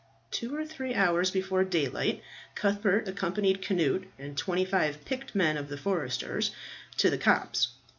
Two or three hours before daylight Cuthbert accompanied Cnut and twenty five picked men of the foresters to the copse.